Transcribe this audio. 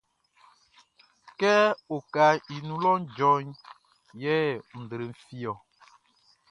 Kɛ okaʼn i nun lɔʼn djɔ yɛ nʼdre fi ɔ.